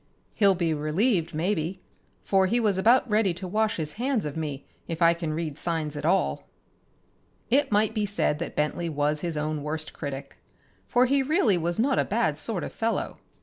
He'll be relieved, maybe, for he was about ready to wash his hands of me if I can read signs at all." It might be said that Bentley was his own worst critic, for he really was not a bad sort of a fellow.